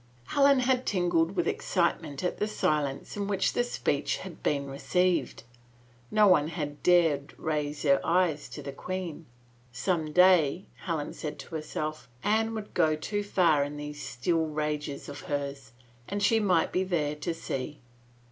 Helen had tingled with excitement at the silence in which the speech had been received. No one had dared raise their eyes to the queen. Some day, Helen said to 86 CALUMNY herself, Anne would go too far in those still rages of hers — and might she be there to see!